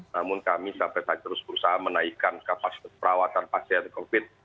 namun kami sampai saat terus berusaha menaikkan kapasitas perawatan pasien covid